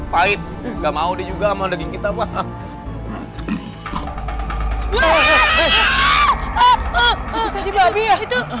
pahit gak mau juga mau lagi kita bahan